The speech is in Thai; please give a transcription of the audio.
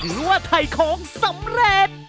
หรือว่าไถ่ของสำเร็จ